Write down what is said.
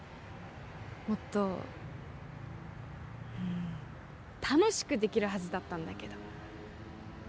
もっと楽しくできるはずだったんだけど。